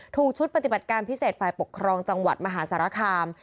ถูกชุดปฏิบัติการพิเศษฝ่ายปกครองจังหวัดมหาสารคาม